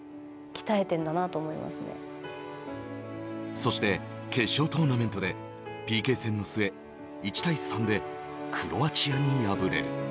そして決勝トーナメントでＰＫ戦の末、１−３でクロアチアに敗れる。